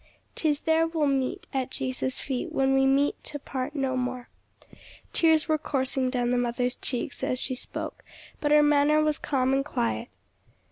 "'Tis there we'll meet, At Jesus' feet, When we meet to part no more.'" Tears were coursing down the mother's cheeks as she spoke, but her manner was calm and quiet.